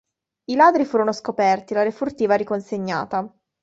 I ladri furono scoperti e la refurtiva riconsegnata.